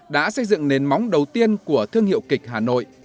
đã xây dựng nền móng đầu tiên của thương hiệu kịch hà nội